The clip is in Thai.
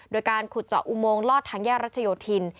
โดยการขุดเจาะอุโมงลอดทางแยกรัชโยธิน